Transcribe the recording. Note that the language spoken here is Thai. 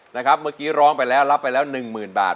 นะครับเมื่อกี้ร้องไปแล้วรับไปแล้วหนึ่งหมื่นบาท